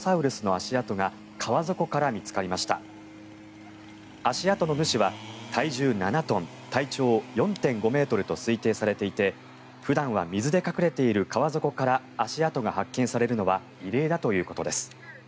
足跡の主は、体重７トン体長４．５ｍと推定されていて普段は水で隠れている川底から足跡が発見されるのは異例だということです。